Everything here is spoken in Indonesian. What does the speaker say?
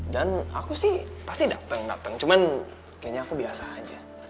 dan aku sih pasti dateng dateng cuman kayaknya aku biasa aja